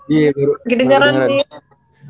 iya baru gak ada dengeran sih